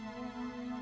aku sudah berjalan